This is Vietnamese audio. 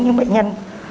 nhưng bệnh nhân